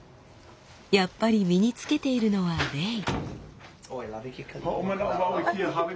やっぱり身に着けているのはレイ。